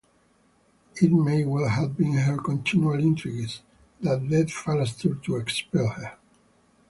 It may well have been her continual intrigues that led Falastur to expel her.